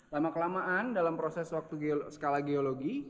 lama kelamaan dalam proses waktu skala geologi